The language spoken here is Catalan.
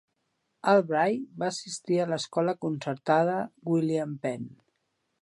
Albright va assistir a l'escola concertada William Penn.